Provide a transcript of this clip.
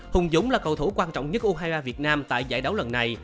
hùng dũng là cầu thủ quan trọng nhất u hai mươi ba việt nam tại giải đấu lần này